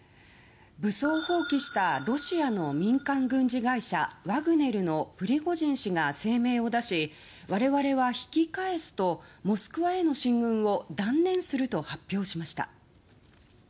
武装蜂起したロシアの民間軍事会社ワグネルのプリゴジン氏が声明を出し我々は引き返すと、モスクワへの進軍を断念すると発表しました。